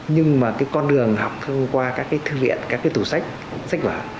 nhưng mà cái con đường học thông qua các cái thư viện các cái tủ sách sách vở